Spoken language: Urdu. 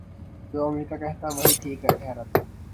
جو امریکہ کہتاتھا وہی ٹھیک ٹھہرتا۔